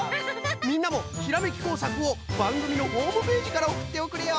みんなもひらめきこうさくをばんぐみのホームページからおくっておくれよ！